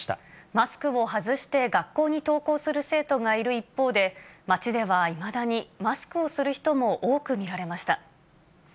マスクを外して学校に登校する生徒がいる一方で、街ではいまだにマスクをする人も多く見られました。